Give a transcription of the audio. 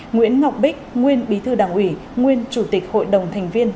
nguyễn ngọc bích nguyên bí thư đảng ủy nguyên chủ tịch hội đồng thành viên